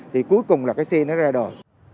thì cuối cùng là cái xe nó ra đời